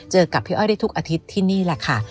เจอกับพี่อ้อยได้ทุกอาทิตย์ที่นี่แหละค่ะ